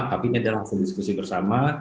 tapi ini adalah hasil diskusi bersama